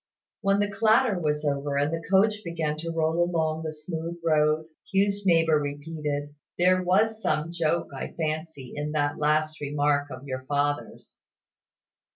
When the clatter was over, and the coach began to roll along the smooth road, Hugh's neighbour repeated, "There was some joke, I fancy, in that last remark of your father's."